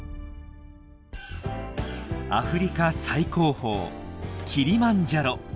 アフリカ最高峰キリマンジャロ。